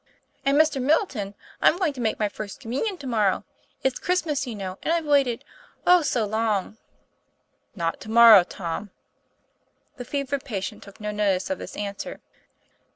"And, Mr. Middleton, I'm going to make my First Communion to morrow. It's Christmas, you know, and I've waited oh, so long!" "Not to morrow, Tom." The fevered patient took no notice of this answer.